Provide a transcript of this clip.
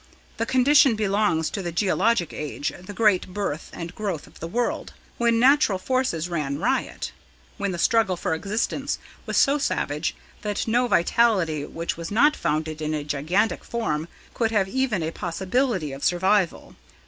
The condition belongs to the geologic age the great birth and growth of the world, when natural forces ran riot, when the struggle for existence was so savage that no vitality which was not founded in a gigantic form could have even a possibility of survival.